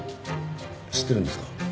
知ってるんですか？